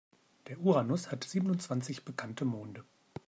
Der Uranus hat siebenundzwanzig bekannte Monde.